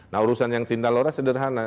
nah urusan yang cinta lora sederhana